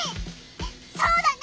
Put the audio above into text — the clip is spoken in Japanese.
そうだな！